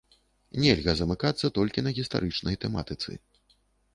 Нельга замыкацца толькі на гістарычнай тэматыцы.